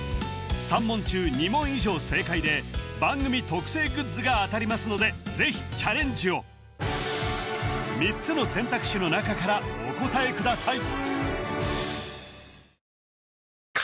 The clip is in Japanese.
３問中２問以上正解で番組特製グッズが当たりますので是非チャレンジを３つの選択肢の中からお答えください